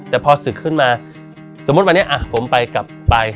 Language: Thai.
แต่พอศึกขึ้นมาสมมุติวันนี้ผมไปกลับไป